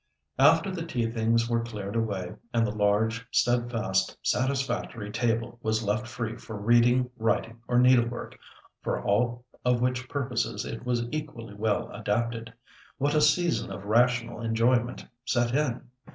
After the tea things were cleared away, and the large, steadfast, satisfactory table was left free for reading, writing, or needlework—for all of which purposes it was equally well adapted—what a season of rational enjoyment set in!